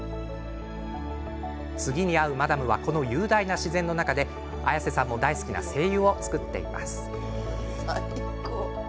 次に会うマダムはこの雄大な自然の中で綾瀬さんも大好きな精油を作っています。